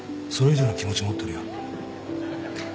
それ以上の気持ち持ってるよ。